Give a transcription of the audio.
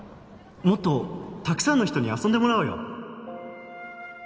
もっとたくさんの人に遊んでもらおうよ